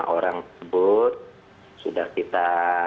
orang tersebut sudah kita